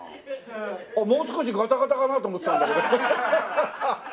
もう少しガタガタかなと思ってたんだけど。